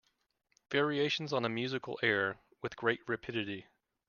Variations on a musical air With great rapidity.